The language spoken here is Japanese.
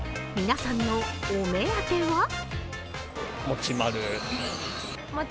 皆さんのお目当ては？